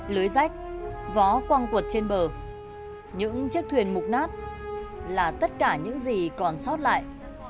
lưới rách vó quang quật trên bờ những chiếc thuyền mục nát là tất cả những gì còn sót lại